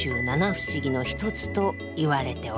不思議の一つと言われておるんじゃ。